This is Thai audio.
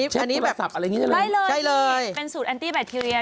ใช่นี่แบบใช่เลยเป็นสูตรแอนตี้แบคทีเรียใช่เลย